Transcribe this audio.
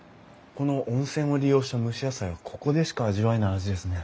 この温泉を利用した蒸し野菜はここでしか味わえない味ですね。